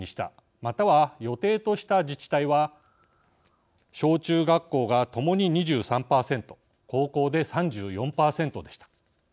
または予定とした自治体は小中学校がともに２３％高校で３４％でした。